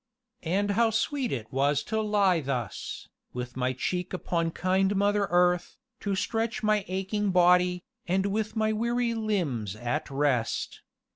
And how sweet it was to lie thus, with my cheek upon kind mother earth, to stretch my aching body, and with my weary limbs at rest.